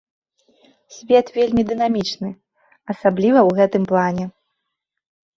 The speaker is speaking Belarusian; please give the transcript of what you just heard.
Свет вельмі дынамічны, асабліва ў гэтым плане.